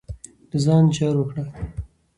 د ځان جار وکړه.